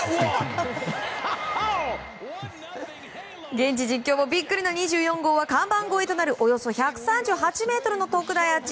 現地実況もビックリの２４号は看板越えとなるおよそ１３８ｍの特大アーチ。